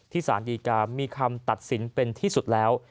สารดีกามีคำตัดสินเป็นที่สุดแล้ว